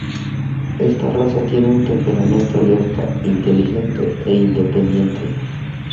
Esta raza tiene un temperamento alerta, inteligente e independiente.